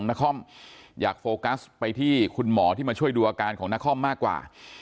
นครอยากโฟกัสไปที่คุณหมอที่มาช่วยดูอาการของนครมากกว่า